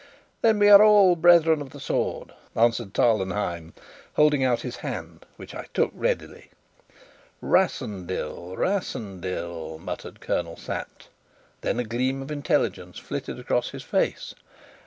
"Then we are all brethren of the sword," answered Tarlenheim, holding out his hand, which I took readily. "Rassendyll, Rassendyll!" muttered Colonel Sapt; then a gleam of intelligence flitted across his face.